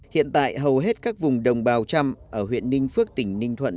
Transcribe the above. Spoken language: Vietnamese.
hiện tại hầu hết các vùng đồng bào trăm ở huyện ninh phước tỉnh ninh thuận